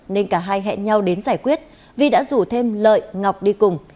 nên cả hai hẹn nhau đến giải quyết vi đã rủ thêm lợi ngọc đi cùng